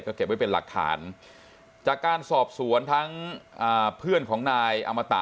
ก็เก็บไว้เป็นหลักฐานจากการสอบสวนทั้งเพื่อนของนายอมตะ